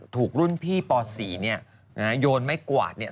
ถูกรุ่นพี่ป๔เนี่ยโยนไม้กวาดเนี่ย